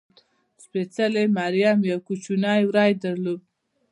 سپېڅلې مریم یو کوچنی وری درلود.